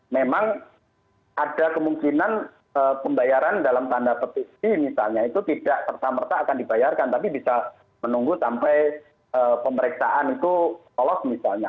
memang ada kemungkinan pembayaran dalam tanda petik misalnya itu tidak serta merta akan dibayarkan tapi bisa menunggu sampai pemeriksaan itu polos misalnya